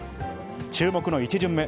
注目の１巡目。